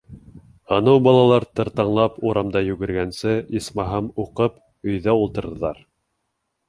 Анау балалар тыртаңлап урамда йүгергәнсе, исмаһам, уҡып, өйҙә ултырырҙар.